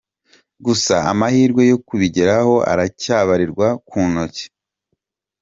Gusa amahirwe yo kubigeraho aracyabarirwa ku ntoki.